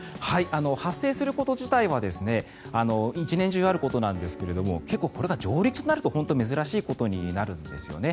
発生すること自体は１年中あることなんですが結構これが上陸となると珍しいことになるんですね。